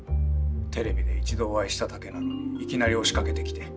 テレビで一度お会いしただけなのにいきなり押しかけてきて。